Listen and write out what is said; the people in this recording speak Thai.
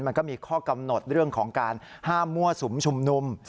มันก็มีข้อกำหนดเรื่องของการห้ามมั่วสุมชุมนุม